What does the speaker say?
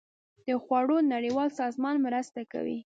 د خوړو نړیوال سازمان مرسته کوي.